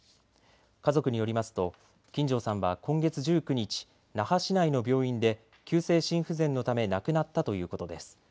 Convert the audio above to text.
家族によりますと金城さんは今月１９日、那覇市内の病院で急性心不全のため亡くなったということです。